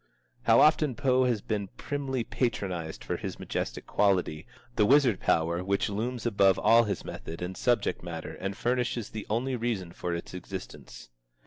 How often Poe has been primly patronized for his majestic quality, the wizard power which looms above all his method and subject matter and furnishes the only reason for its existence!